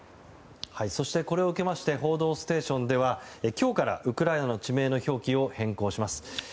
そしてこれを受けまして「報道ステーション」では今日からウクライナの地名の表記を変更します。